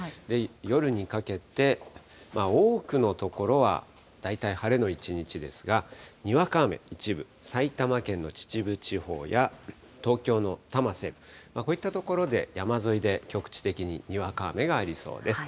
夜にかけて、多くの所は大体晴れの一日ですが、にわか雨、一部、埼玉県の秩父地方や、東京の多摩西部、こういった所で山沿いで局地的ににわか雨がありそうです。